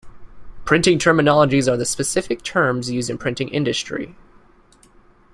Printing terminologies are the specific terms used in printing industry.